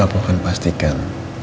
aku akan pastikan